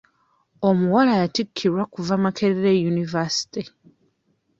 Omuwala yatikkirwa kuva Makerere yunivasite.